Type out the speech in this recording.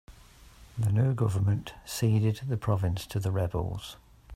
The new government ceded the province to the rebels.